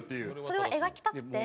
それを描きたくて。